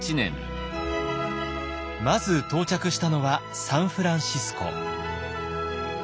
まず到着したのはサンフランシスコ。